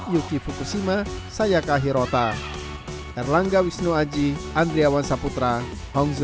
yuki fukushima sayaka hirota erlangga wisnu aji andriawan saputra hongzhu